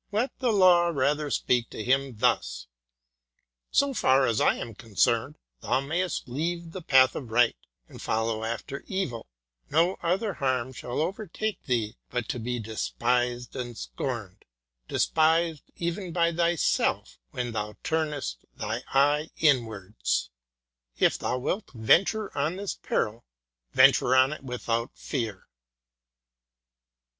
Let the law rather speak to him thus: " So far as I am con cerned, thou mayest leave the path of right and follow after evil; no other harm shall overtake thee but to be despised and scorned, despised even by thyself when thou turnest thine eye inwards. If thou wilt venture on this peril, ven 182 LECTURE VI. ture on it without fear."